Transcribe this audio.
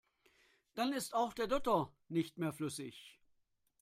Dann ist auch der Dotter nicht mehr flüssig.